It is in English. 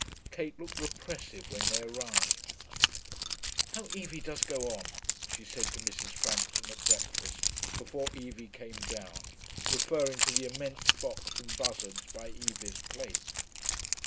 Kate looked repressive when they arrived. 'How Evie does go on,' she said to Mrs. Frampton at breakfast, before Evie came down, referring to the immense box from Buszard's by Evie's plate.